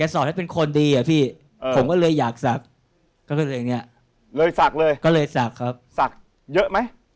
ศักดิ์เยอะไหม